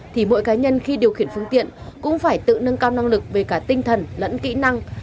thì mỗi cá nhân khi điều khiển phương tiện cũng phải tự nâng cao năng lực về cả tinh thần lẫn kỹ năng